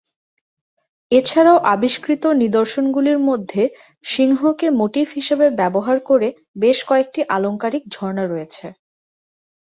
এছাড়াও আবিষ্কৃত নিদর্শনগুলির মধ্যে সিংহকে মোটিফ হিসাবে ব্যবহার করে বেশ কয়েকটি আলংকারিক ঝর্ণা রয়েছে।